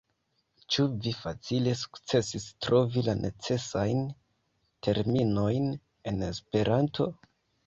Ĉu vi facile sukcesis trovi la necesajn terminojn en Esperanto?